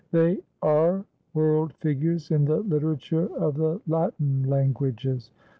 They are world figures in the literature of the Latin languages.